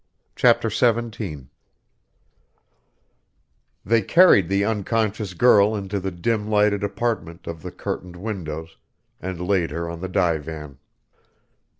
Chapter Seventeen They carried the unconscious girl into the dim lighted apartment of the curtained windows, and laid her on the divan.